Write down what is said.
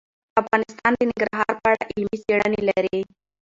افغانستان د ننګرهار په اړه علمي څېړنې لري.